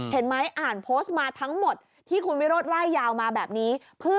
เห็นไหมอ่านโพสต์มาทั้งหมดที่คุณวิโรธไล่ยาวมาแบบนี้